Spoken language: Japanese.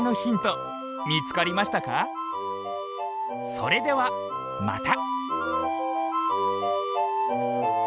それではまた。